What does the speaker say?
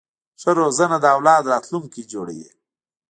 ښه روزنه د اولاد راتلونکی جوړوي.